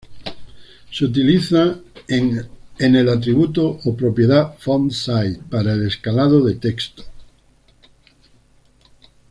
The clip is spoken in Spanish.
Se utiliza em en el atributo o propiedad "font-size" para el escalado de texto.